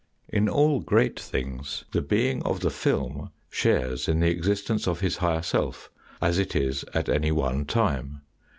In all great things the being of the film shares in the existence of his higher self, as it is at any one time.